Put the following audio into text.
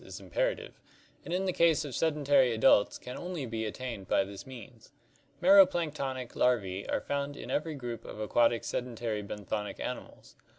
is imperative, and in the case of sedentary adults can only be at tained by this means. Mero planktonic larvae are found in every group of aquatic sedentary benthonic animals.